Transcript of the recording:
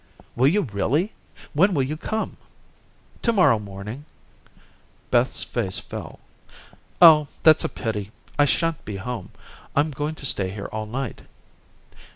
"Will you, really? When will you come?" "To morrow morning." Beth's face fell. "Oh, that's a pity. I shan't be home. I'm going to stay here all night."